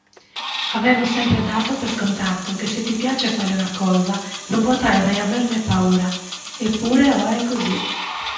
Avevo sempre dato per scontato che se ti piace fare una cosa non potrai mai averne paura, eppure ora è così.